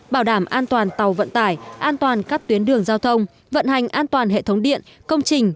bảo đảm an toàn tàu vận tải an toàn các tuyến đường giao thông vận hành an toàn hệ thống điện công trình